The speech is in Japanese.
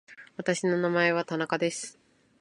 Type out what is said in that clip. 私の名前は田中です。